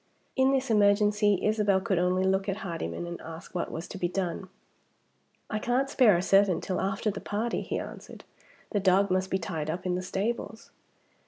In this emergency, Isabel could only look at Hardyman and ask what was to be done. "I can't spare a servant till after the party," he answered. "The dog must be tied up in the stables."